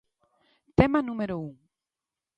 Tema número un.